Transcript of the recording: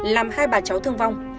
làm hai bà cháu thương vong